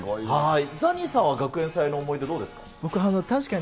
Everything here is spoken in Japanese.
ザニーさんは学園祭の思い出、どうですか。